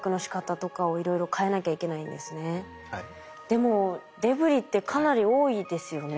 でもデブリってかなり多いですよね。